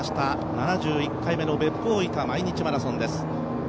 ７１回目の別府大分毎日マラソンです。